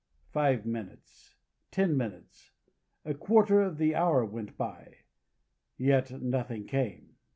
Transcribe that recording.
Five minutes, ten minutes a quarter of an hour went by, yet nothing came.